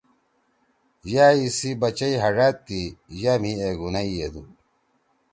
یأ اِیسی بَچئ ہڙأت تی۔ یأ مھی ایگُونَئ یِدُو۔